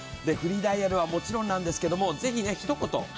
でフリーダイヤルはもちろんなんですけどもぜひねひと言。